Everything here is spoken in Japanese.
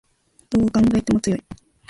どう考えても強い